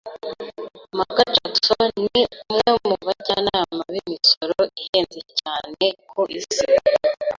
mabwa Jackson ni umwe mu bajyanama b'imisoro ihenze cyane ku isi.